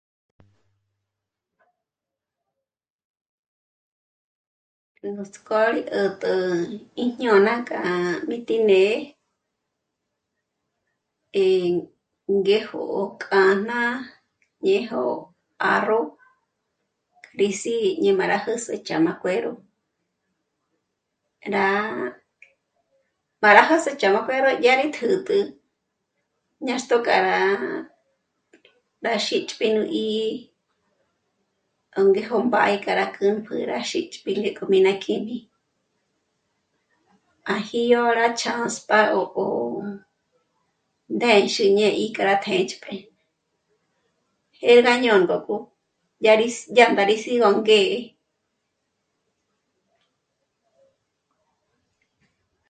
Núts'k'ó rí 'ä̀t'ä íjñôna k'a mí tíné'e ngéjo k'áná ñéjo 'árro rí sí'i ñembàrahüsü ch'àma cuero, rá... pára rá hés'e ch'àma cuero yá rí tjǜntjü ñaxto k'ará rá xíts'pji nú 'í'i ngéjo mbá'ìk'a rá pünk'ü ná xíts'pji né'e k'o mínà kjíjmi. À ji'ó'o rá chánsp'a 'ó ndéxi ñé'e í k'a rá t'ěnchp'e 'é'e rá ñandok'u yá ndára síngóngé'e